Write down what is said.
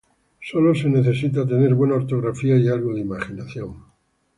solo se necesita tener buena ortografía y algo de imaginación